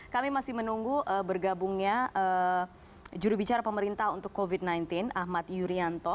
kami masih menunggu bergabungnya jurubicara pemerintah untuk covid sembilan belas ahmad yuryanto